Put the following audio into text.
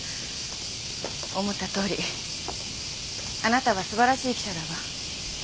思ったとおりあなたは素晴らしい記者だわ。